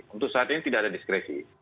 untuk saat ini tidak ada diskresi